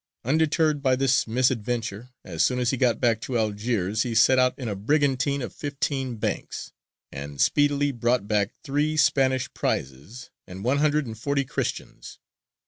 Undeterred by this misadventure, as soon as he got back to Algiers he set out in a brigantine of fifteen banks, and speedily brought back three Spanish prizes and one hundred and forty Christians.